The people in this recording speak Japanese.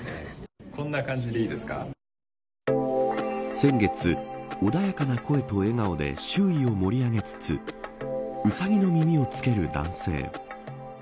先月、穏やかな声と笑顔で周囲を盛り上げつつウサギの耳を着ける男性。